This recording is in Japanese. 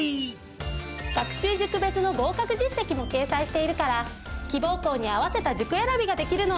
学習塾別の合格実績も掲載しているから希望校に合わせた塾選びができるの。